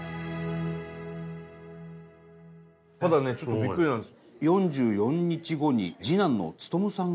ただねちょっとびっくりなんです。